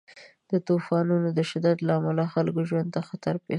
د طوفانونو د شدت له امله د خلکو ژوند ته خطر پېښ شوی.